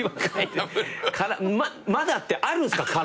「まだ」ってあるんすか？